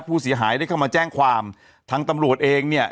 ผู้เสียหายได้เข้ามาแจ้งความทางตำรวจเองเนี่ย